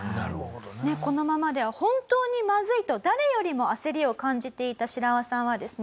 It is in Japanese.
このままでは本当にまずいと誰よりも焦りを感じていたシラワさんはですね